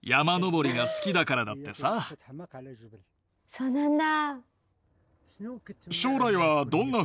そうなんだ。